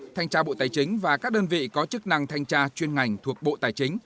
thanh tra bộ tài chính và các đơn vị có chức năng thanh tra chuyên ngành thuộc bộ tài chính